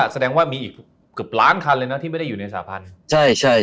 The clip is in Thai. แสดงว่ามีอีกเกือบล้านคันเลยนะที่ไม่ได้อยู่ในสาพันธุ์ใช่ใช่